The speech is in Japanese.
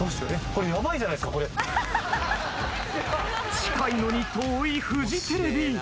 近いのに遠いフジテレビ。